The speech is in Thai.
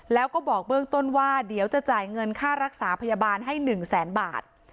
แล้วก็บอกเบื้องต้นว่าเดี๋ยวจะจ่ายเงินค่ารักษาพยาบาลให้๑แสนบาท